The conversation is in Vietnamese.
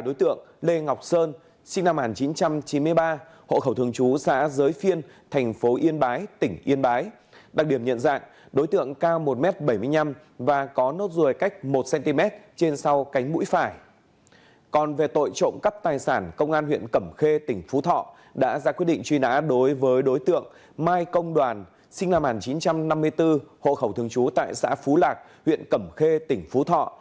đối với đối tượng mai công đoàn sinh là màn chín trăm năm mươi bốn hộ khẩu thường trú tại xã phú lạc huyện cẩm khê tỉnh phú thọ